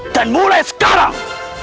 dan mulai sekarang